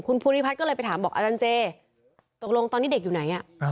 คุณภูริพัฒน์ก็เลยไปถามบอกอาจารย์เจตกลงตอนนี้เด็กอยู่ไหน